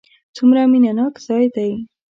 څومره مینه ناک ځای دی.